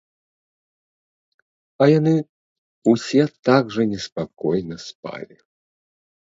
А яны ўсе так жа неспакойна спалі.